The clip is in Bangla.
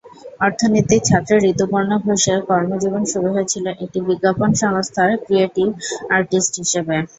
অর্থনীতির ছাত্র ঋতুপর্ণ ঘোষের কর্মজীবন শুরু হয়েছিল একটি বিজ্ঞাপন সংস্থার ক্রিয়েটিভ আর্টিস্ট হিসেবে।